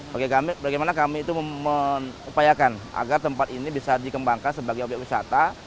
bagaimana kami itu mengupayakan agar tempat ini bisa dikembangkan sebagai obyek wisata